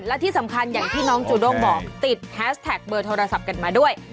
และที่สำคัญอย่างที่น้องจูด้งบอกติดแฮสแท็กเบอร์โทรศัพท์กันมาด้วย